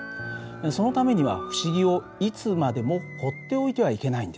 そのためには不思議をいつまでもほっておいてはいけないんです。